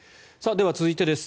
では続いてです。